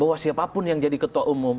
bahwa siapapun yang jadi ketua umum